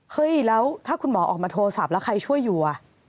เฮ้ยแล้วถ้าคุณหมอออกมาโทรศัพท์แล้วใครช่วยอยู่